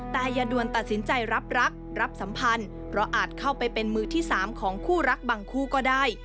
แต่อย่าดวนตัดสินใจรับรักรับสัมพันธ์เพราะอาจเข้าไปเป็นมือที่๓ของคู่รักบางคู่ก็ได้